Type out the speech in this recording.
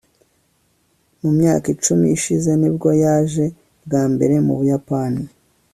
mu myaka icumi ishize ni bwo yaje bwa mbere mu buyapani